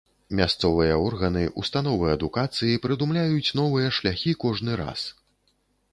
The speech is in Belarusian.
Мясцовыя органы, установы адукацыі прыдумляюць новыя шляхі кожны раз.